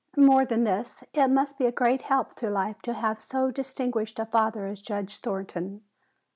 More than this, it must be a great help through life to have so distinguished a father as Judge Thornton.